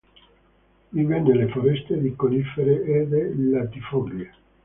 Vive nelle foreste di conifere e di latifoglie.